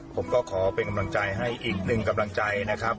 ผมก็ขอเป็นกำลังใจให้อีกหนึ่งกำลังใจนะครับ